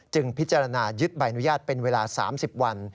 พิจารณายึดใบอนุญาตเป็นเวลา๓๐วัน